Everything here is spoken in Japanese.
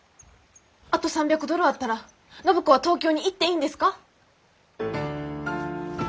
あと３００ドルあったら暢子は東京に行っていいんですか？